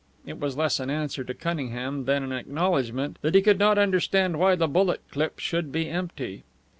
It was less an answer to Cunningham than an acknowledgment that he could not understand why the bullet clip should be empty.